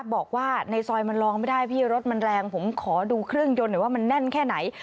บอกว่าในซอยมันลองไม่ได้พี่รถมันแรงผมขอดูเครื่องยนต์หน่อยว่ามันแน่นแค่ไหน